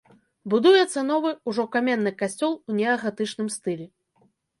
Будуецца новы, ужо каменны касцёл у неагатычным стылі.